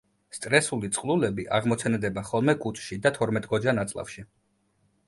სტრესული წყლულები აღმოცენდება ხოლმე კუჭში და თორმეტგოჯა ნაწლავში.